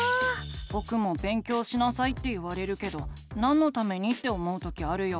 ぼくも「勉強しなさい」って言われるけどなんのためにって思う時あるよ。